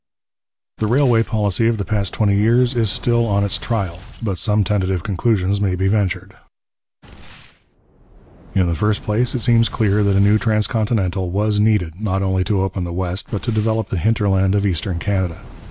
The railway policy of the past twenty years is still on its trial, but some tentative conclusions may be ventured. In the first place, it seems clear that a new transcontinental was needed, not only to open the West, but to develop the hinterland of eastern Canada.